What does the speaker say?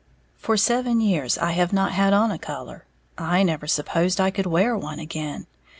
For seven years I have not had on a color, I never supposed I could wear one again.